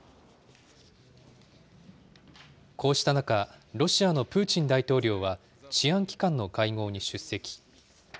こうした中、ロシアのプーチン大統領は、治安機関の会合に出席。